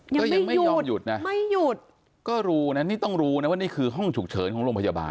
ก็ยังไม่ยอมหยุดนะไม่หยุดก็รู้นะนี่ต้องรู้นะว่านี่คือห้องฉุกเฉินของโรงพยาบาล